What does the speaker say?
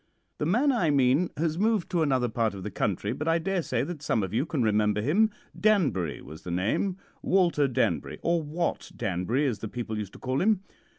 "The man I mean has moved to another part of the country, but I daresay that some of you can remember him. Danbury was the name Walter Danbury, or Wat Danbury, as the people used to call him.